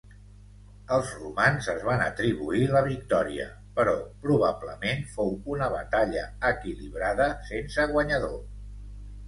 Els romans es van atribuir la victòria però probablement fou una batalla equilibrada sense guanyador.